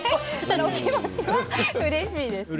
お気持ちはうれしいです。